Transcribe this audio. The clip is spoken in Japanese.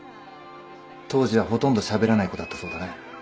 当時はほとんどしゃべらない子だったそうだね。